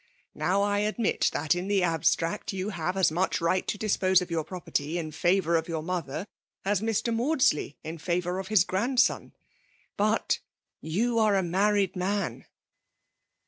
Now I admit, thaty in the abstract, you have as much right to dispose of your property in favour of your mother, as Mr. Maudslcy in favour of his grandson. But you are a married man.